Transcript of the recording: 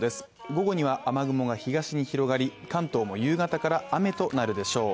午後には雨雲が東に広がり関東も夕方から雨となるでしょう。